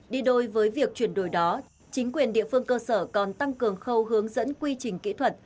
đi đôi với việc chuyển đổi đó chính quyền địa phương cơ sở còn tăng cường khâu hướng dẫn quy trình kỹ thuật